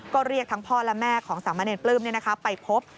ก็เรียกทั้งพ่อและแม่ของสามะเนียนปลื้มนี่นะคะไปพบ